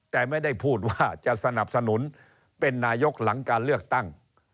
แต่ไม่ได้พูดว่าจะสนับสนุนเป็นนายกหลังการเลือกตั้ง